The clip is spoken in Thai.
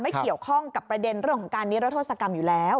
เกี่ยวข้องกับประเด็นเรื่องของการนิรโทษกรรมอยู่แล้ว